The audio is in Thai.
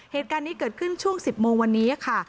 เหตุการณ์นี้เกิดขึ้นช่วง๑๐โมงวันนี้ค่ะ